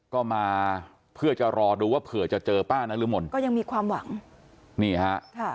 ก็มาเพื่อจะรอดูว่าเผื่อจะเจอป้านรมนก็ยังมีความหวังนี่ฮะค่ะ